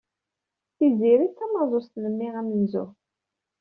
Tiziri d tamaẓuẓt n mmi amenzu.